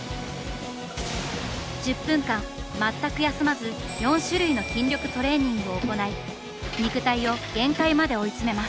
１０分間全く休まず４種類の筋力トレーニングを行い肉体を限界まで追い詰めます。